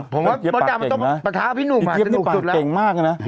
ผมว่าบริการมันต้องประท้าพี่หนุ่มมากจะหนุ่มสุดแล้วพี่เกี๊ยบปากเก่งมากนะ